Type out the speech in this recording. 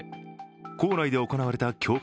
校内で行われた強化